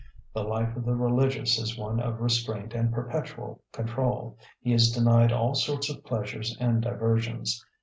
The life of the religious is one of restraint and perpetual control. He is denied all sorts of pleasures and diversions.